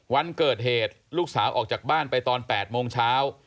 วันเกิดเหตุลูกสาวออกจากบ้านไปตอน๘โมงเช้า